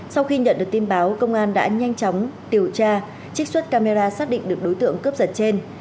sau khi nhận được tin báo công an đã nhanh chóng điều tra trích xuất camera xác định được đối tượng cướp giật trên